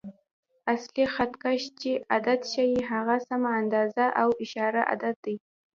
اصلي خط کش چې عدد ښیي، هغه سمه اندازه او اعشاریه عدد دی.